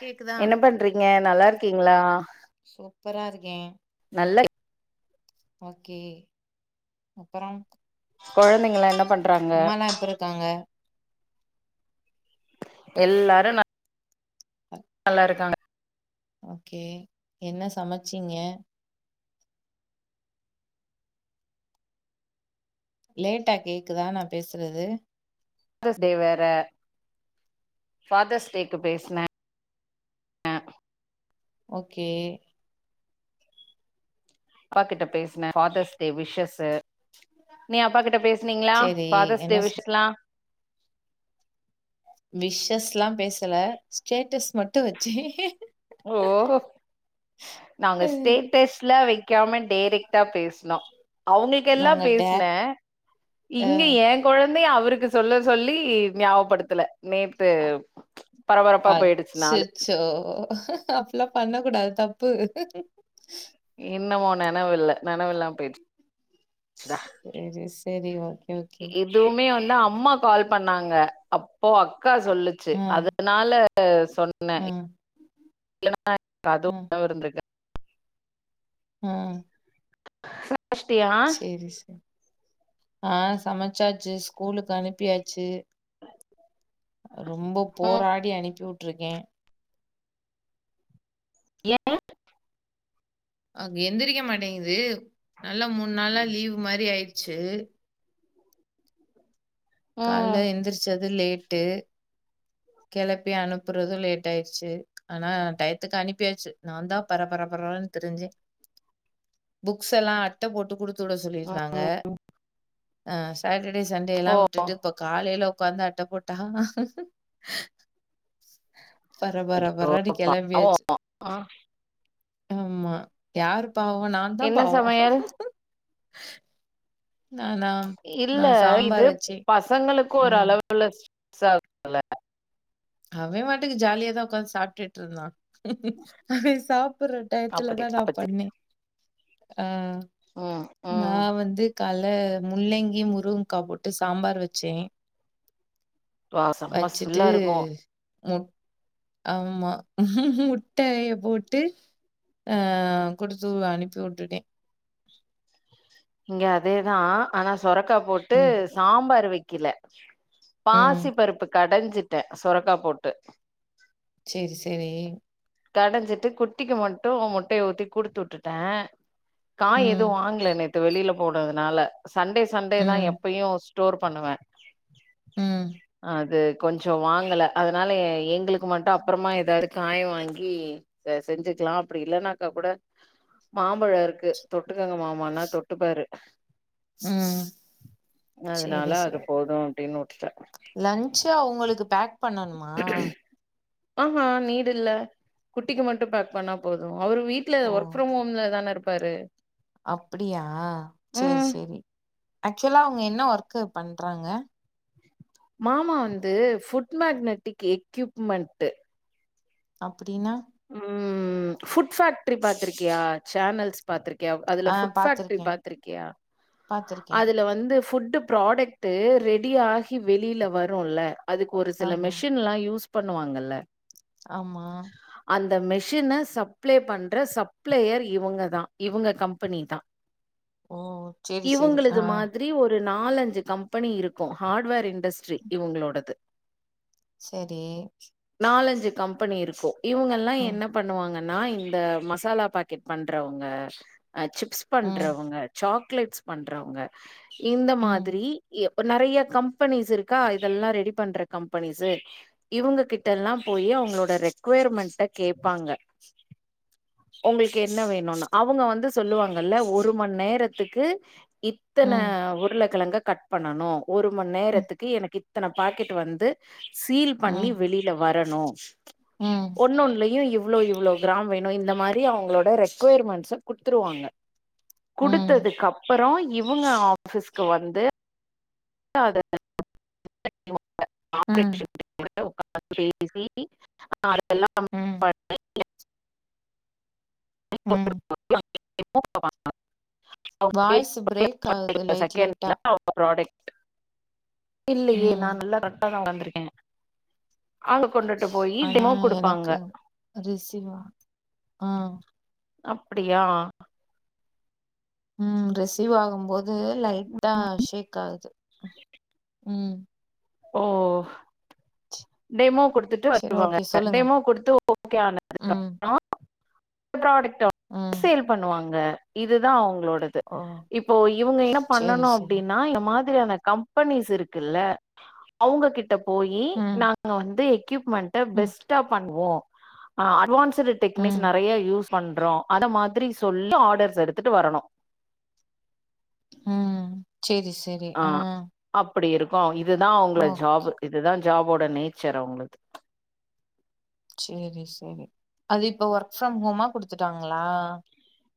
கேக்குதா என்ன பண்றீங்க நல்லாருக்கீங்களா சூப்பரா இருக்கேன் நல்ல ஓகே அப்பறம் கொழந்தைங்கலாம் என்ன பண்றாங்க எப்ப இருக்காங்க எல்லாரும் ந நல்லாருக்காங்க ஓகே என்ன சமைச்சீங்க லேட்டா கேக்குதா நா பேசுறது தர்ஸ் டே வேற ஃபாதர்ஸ் டேக்கு பேசினே ஓகே அப்பா கிட்ட பேசுனே ஃபாதர்ஸ் டே விஷ்சஸு நீ அப்பா கிட்ட பேசுனீங்களா செரி ஃபாதர்ஸ் என்ன டே விஷ்லாம் விஷ்ஸல்லாம் பேசல ஸ்டேட்டஸ் மட்டு வச்சேன் ஓ நாங்க ஸ்டேட்டஸ்ல வக் காம டேரெக்ட்டா பேசனோம் அவுங்களுக் கெல்லா உங்க டே பேசினேன் இங்க அஹ், ஏ கொழந் தைய அவுருக்கு சொல்ல சொல்லி ஞாபப்படுத்தல நேத்து அ பரபரப்பா போயிடுச்சு நாளு அச்சச்சோ அப்டில்லாம் பண்ண கூடாது தப்பு இன்னமு நினவு இல்ல நெனவுலாம் போயிடுச் தா செரி செரி ஓகே ஓகே இதுவுமே வந் நா அம்மா கால் பண்ணாங்க அப்போ அக் கா சொல்லுச்சு ஆ அதுனால சொன்னே ஆ இல்லனா எனக்கு அதுவு நெனவு இருந்திருக்காது ம் சஷ்டியா சேரி சா ஆ சமைச்சாச்சு ஸ்கூலுக்கு அனுப்பியாச்சு ரொம்ப ம் போராடி அனுப்பி உட் ருக்கேன் ஏன் அக் எந்திரிக்க மாட்டேங்கிது நல்ல மூணு நாளா லீவ் மாரி ஆயிரு சு கால்ல ம் எந்திரிச்சது லேட் டு கிளப்பி அனுப்புறதும் லேட்டா ஆயிடுச்சு ஆனா டெயத்துக்கு அனுப்பியாச்சு நா தா பர பரப்பரன் திரிஞ்சேன் புக்ஸ் எல்லாம் அட்ட போட்டு குடுத் துட ம், சொல்லிருந்தாங்க ம். ஆ சாட்ட டே சண்டேலா ஓ டுட்டு இப்ப கால் லேல ஒக்காந்து அட்ட போட்டா பர பர ஐயோ பரன்னு கெளம்பியாச்சு பாவம் ஆ, ஆமா யார் பாவோ நா தா என்ன பாவோ சமையல் இல்ல இது வச்சு. பசங்களுக்கு ஒரு ம். அளவுல சல அவெ பாட்டுக்கு ஜாலியா தா உக்காந்து சாப்டுட்டு இருந்தா அவெ சாப்டுற அப்படி டயத்துலதா நா அப்ப சரி பண்ணே அ ம் நா ம் வந்து கால்ல முள்ளங்கி முருங்க்கா போட்டு சாம்பார் வச்சே வாசம்மஸ் ஃபுல்லா இருக்கு முட் ஆமா முட்டைய போட்டு ஆ குடுத்து அனுப்பி வுட்டுட்டே இங்க அதேதா ஆனா சொரக்கா போட்டு ம். சாம்பார் வைக் கில ம். பாசி பருப்பு கடைஞ்சுட்ட சொரக்கா போட்டு செரி செரி கடைஞ்சுட்டு குட்டிக்கு மட்டு முட்டைய ஊத்தி குடுத்து வுட்டுட்டே காய் ம். எதுவு வாங்கல நேத் வெளியில போடுறதுனால சண்டே சண்டே தா ம். எப்பையு சூ ஸ்டோர் பண்ணுவே ம். அது கொஞ்சோ வாங்கல அதனால ஏங்களுக்கு மட்டு அப்புறமா ஏதாவது காய் வாங்கி ஈ செஞ்சுக்கலா அப்டி இல்லன்னாக்கா கூட மாம்பழோ இருக்கு தொட்டுக்கங்க மாமானா தொட்டுப்பாரு ம். அதனால சரி, அது சரி. போது அப்டினு உட்டுட்டே லஞ்ச் அவங்களுக்கு து பேக் பண்ணணுமா ஆஹா நீடு இல்ல குட்டிக்கு மட்டு பேக் பண்ணா போது அவர் வீட்டுல ஓ! ஒர்க்ஃப்ரம் ஹோம்ல தானே இருப் பாரு அப்டியா செரி செரி ஆக்சுவலா அவங்க என்ன ஒர்க்கு பண்றாங்க மாமா வந்து ஃபுட் மேக்னட்டிக்கு எக்யூப்மெண்ட்டு அப்டின்னா ம் ஃபுட் பேக்ட்ரி பாத்திருக்கியா சேனல்ஸ் பாத்திருக் க அதுல ஆ ஃபுட் பேக்ட்ரி பாத்திருக்கே பாத்திருக்கியா பாத்திருக்கே அதுல வந்து ஃபுட் டு ப்ராடக்டு ரெடி ஆகி வெளியில வரும்ல்ல அதுக்கு ஒரு சில ஆமா மெஷின்லா யூஸ் பண்ணுவாங்க இல்ல ஆமா அந்த மெஷினு சப்ளை பண்ற சப்ளயர் இவங்க தா இவங்க கம்பெனி தா ஓ செரி செரி ஆ மாதிரி ஒரு நாலஞ்சி கம்பெனி இருக்கும் ஹார்ட்வேர் இண்டர்ஸ்ட்ரி இவங்களோடது செரி நாலஞ்சி கம்பனி இருக்கும் இவங்கலா ம் என்ன பண்ணுவாங்க னா இந்த மசாலா பாக்கெட் பண்றவங்க ஆ சிப்ஸ் ம் பண்றவங்க சா கிலேட்ஸ் பண்றவங்க இந்த ம் மாதிரி எ ஒரு நறையா கம்பெனிஸ் இருக்கா இதெல்லாம் ரெடி பண்ற கம்பெனிஸ்சு இவுங்க கிட்டெல்லாம் போயி அவங்களோட ரெ க்யூர்மெண்ட்ஸ கேப்பாங்க ஒங்களுக்கு என்ன வேணுன்னு அவுங்க வந்து சொல்லுவாங்க இல்ல ஒரு மணி நேரத்துக்கு இத்தன ம் உருளக்கிழங்க கட் பண்ணணும் ஒரு மணி ம் நேரத்துக்கு எனக்கு இத்தன பாக்கெட்டு வந்து சீல் பண்ணி ம் வெளியில வ ட்டனு ம் ஒண்ணு ஒண்ணுலயும் இவ இவ்ளோ இவ்ளோ கிராம் வேணும் இந்த மாரி அவங்களோட ரெக்குயர்மெண்ட்ஸ குடுத்துருவாங்க ம் குடுத்தது கப் புறம் இவங்க ஆஃபீஸ்க்கு வந்து அத அ ம் [unintelligible] உங்காத்து பேசி ம் [unintelligible] ம் [unintelligible] வாய்ஸ் பிரேக் ஆகுது [unintelligible] லைட் லைட்டா செகண்ட்ல [unintelligible] ப்ராடக்ட் இல்லியே நா ம் நல்லா அதான் உக்காந்து இருக்கேன் அங்க கொண்டுட்டு போயி ஆனா டிமோ குடுப்பாங்க எனக்கு ரிசீவ் ஆ ஆ அப்டியா ம் ரிசீவ் ஆகும்போது லைட் டா ஷேக் ஆகுது ம் ஓ டெமோ குடுத்துட்டு சரி வருவாங்க ஓகே சொல்லுங்க டெமோ குடுத்து ஓகே ம் ஆனதுக்கப்றோ ப்ராடக்ட் ட் ம். சேல் பண்ணுவாங்க இதுதா அவுங் ளோடது ஓ! இப்போ இவுங்க என்ன சரி, பண்ணணு சரி. அப்டின்னா எ மா த்ரியான கம்பெனிஸ் இருக்குல்ல அவுங்க கிட் ட போய்யி ம், நா அ வந்தி எக்யூப்மெண்ட்ட ம், பெஸ்ட்டா பண்வோம் ஆ அட்வான்ஸ் த்ரு டெக்னிக்ஸ் ம், நெறையா யூஸ் பண்றோ அத மாதிரி சொல்லி ஆர்டர் எடுத்துட்டு வரணும் ம் செரி செரி ஆ ப்படி இருக்கும் இதுதாற் அவுங்கள ஜாப்பு ஓகே. இதுதான் ஜாபோட நேச்சர் அவுங்களுது சேரி சேரி அது இப்ப ஒர்க் ஃப்ரம் ஹோமா குடுத்துட்டாங்களா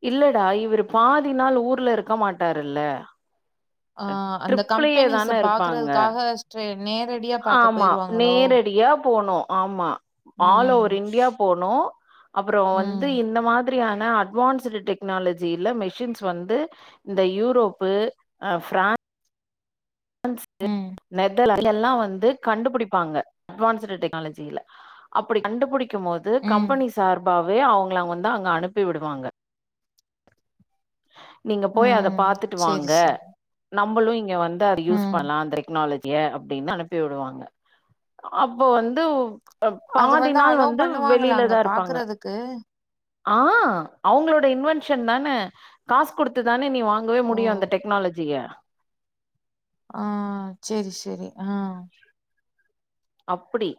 இல்லடா இவுரு பாதி நாள் ஊர்ல இருக்க மாட்டாருல்ல ஆ அந்த ட்ரிப்லயே கம்பெனிஸ்ச தான இருப்பாங்க பாக்குறதுக்காக ஸ்ட்ரே ஆமா நேரடியா போனும் ஆமா ஆல் ஓவர் ம், இன்டியா போ நோ அப்புறோம் ம், வந்து இந்த மா த்ரியான அட்வான்ஸ்டு டெக்னாலஜில மிஷின்ஸ் வந்து இந்த யூரோப்பு பிரான் ஸ் ம், நெதர்லாந்த் இல்லலாம் வந்து கண்டுபுடிப்பாங்க அட்வான்ஸடு டெக்னாலஜில்ல அப்டி கண்டுபுடி க்கும் மோது ம், கம்பெனி சார் பாவே அவுங்கள வந்து அங்க அனுப்பி விடுவாங்க நீங்க போய் அத ம். பாத்துட்டு சரி, வாங்க சரி. நம்பளும் இங்க வந் ட்டார் யூஸ் ம். பண்லா த்ரெக்னாலஜூ ஏ அப்டினு அனுப்பிடுவாங்க அப்போ வந்து அது பாதி வந்து நாள் அலோ பண்ணுவாங்கங்க வெளியிலதா இருப்பாங்க பாக்குறதுக்கு ஆ அவுங்களோட இன்வென்ஷன் தானே காஸ் குடுத்துதான் நீ வாங்கவே ஓ! முடியும் அந்த டெக்னாலஜிய ஆ செரி செரி ஆ அப்டி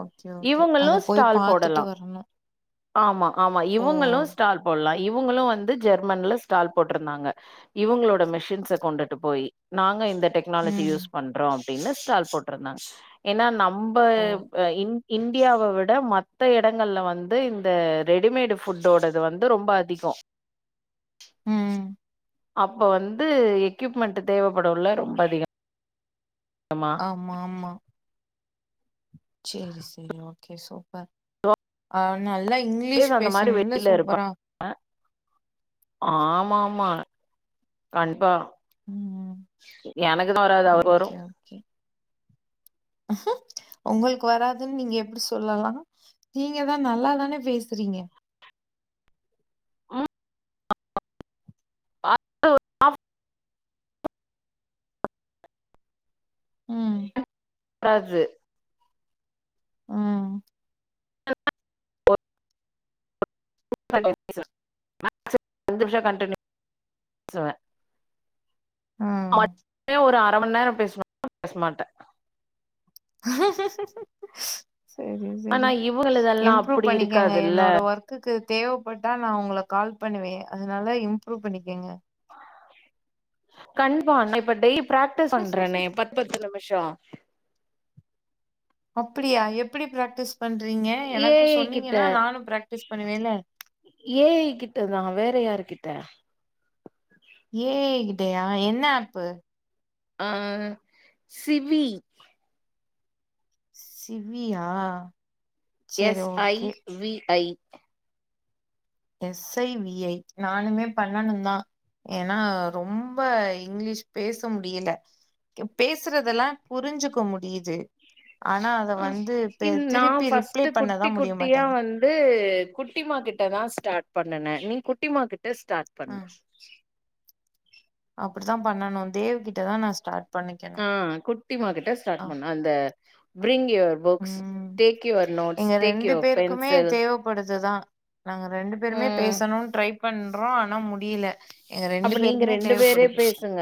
ஓகே ஓகே இவங்களு அத போய் ஸ்டால் போடலா பாத்துட்டு வரனும் ஆமா ஆமா இவங்களும் ஸ்டால் போடலாம் இவுங்களும் வந்து ஜெர்மன்ல ஸ்டால் போட்டுருந்தாங்க இவுங்களோட மெஷின்ஸ்ஸ கொண்டுட்டு போய் நாங்க இந்த டெக்னாலஜி யூஸ் ம் பண்றோம் தின்ன ஸ்டால் போட்டுருந்தாங்க ஏன்னா நம் ரொம்ப ஓ அ இன் இந்தியாவ விட மத்த இடங்கள்ல வந்து இந்த ரெடிமேடு ஃபுட்டோடது வந்து ரொம்ப அதிகோ ம் அப்ப வந்து எக்யூப்மெண்ட் தேவைப்படவுல ரொம்ப அதிகோ ஆமா ஆமா சரி சரி ஓகே சூப்பர் ஆ நல்ல இன்கேஸ் அந்த மாரி வெளியில இருப்பாங்க ஆமா ஆமா கண்பா ம் எனக்குதா வராது அவர் வரு ஓகே ஓகே உங்களுக்கு வராதுன்னு நீங்க எப்டி சொல்லலா நீங்க தா நல்லாதானே பேசுறீங்க ம். [inaudible] ம் கது ம் [inaudible] பே சுவே ஆ அவ்ந்து ஒரு அர மணி நேரோ பேசணும்னு பேச மாட்ட ம்ஹ் ஹ் ஹ் சரி ஆனா சரி இவுங்களுதெல்லா இம்ப்ரூவ் அப்டி பண்ணிக்கேங்க இருக்காதுல்ல என்னோட ஒர்க்குக்கு தேவைப்பட்டா நா உங்கள கால் பண்ணுவே அதனால இம்ப்ரூவ் பண்ணிக்கேங்க கண்ப்பா நா இப்ப டெயிலிப் பிராக்டிஸ் பண்றேனே பத் பத்து நிமிஷோ அப்டியா எப்படி பிராக்டிஸ் பண்றீங்க எனக்கு ஏஐ கிட்ட சொன்னீங்கன்னா நானு பிராக்டிஸ் பண்ணுவேன்ல ஏஐ கிட்டதா வேற யாரு கிட் ட்ட ஏஐ கிட்டையா என்ன ஆப்பு ஆ சிவி சிவியா சேரி S I okay V I SI VI நானுமே பண்ணணு தா ஏன்னா ரொம்ப இங்கிலீஷ் பேச முடியல பேசுறதெல்லா புரிஞ்சுக்க முடிது ம் நா ரிப்ளை ஃபஸ்ட்டு பண்ணதா குட்டி முடிய குட்டியா மாட்டேங்குது வந்து குட்டிமா கிட்ட தா சொ ஸ்டார்ட் பண்ணுன நீ குட்டிமா கிட்ட த ஸ்டார்ட் அ பண்ணு அப்படித்தா பண்ணணு தேவ் கிட்ட தா நா ஸ்டார்ட் பண்ணிக்கணு ஆ குட் டி மாரி ஸ்டார்ட் அ பண்ண அந்த பிரிங் டேக் யூவர் புக்ஸ் ம் டேக் யூவர் நோட்ஸ் எங்க டேக் யூவர் பேருக்குமே பென்சில் தேவப்படுதுதா. நாங்க ரெண்டு பேருமே ம் பேசணும்னு ட்ரைப் பண்றோம் ஆனா முடியல எங்க அப்ப ரெண்டு நீங்க பேருக்குமே ரெண்டு பேரே தேவைப்படுது பேசுங்க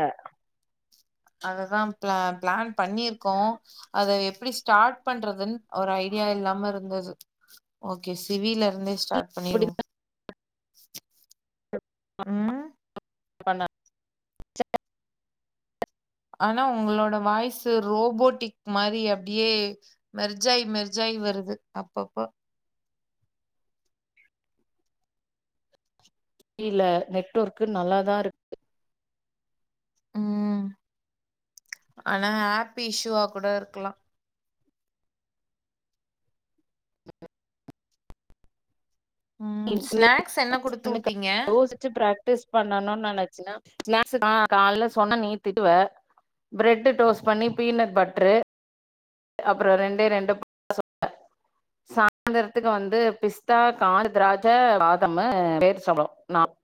அதுதான் ப பிளான் பண்ணிருக்கோம் அதை எப்படி ஸ்டார்ட் பண்றதுன்னு ஒரு ஐடியா இல்லாம இருந்தது ஓகே சிவில இருந்து ஸ்டார்ட் இப்படி பண்ணிருவோம் ஆ பண்ணாரு ஆனா உங்களோட வாய்ஸ் ரோபோட்டிக் மாதிரி அப்படியே மெர்ஜாய் மெர்ஜாய் வருது அப்பப்போ தெரில நெட்ஒொர்க்கு நல்லாதான் இருக்கு ம் ஆனா ஹாப்பி இஷூவா கூட இருக்கலாம் ம் ஸ்நாக்ஸ் என்ன குடுத்து வுட்டீங்க? யோசிச்சு பிராக்டிஸ் பண்ணணும் நென சுன்னா காலல சொன்ன நீ திட்டுவ பிரெட் ரோஸ்ட்‌ பண்ணி பீனட் பட்டரு அப்புறம் ரெண்டே ரெண்டு சாயந்தரத்துக்கு வந்து பிஸ்தா கா ராக வாதம் வேர் சொளபம் நான்